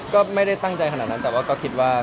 ก็ไม่ได้ตั้งใจขนาดนั้นแต่ว่าก็คิดว่า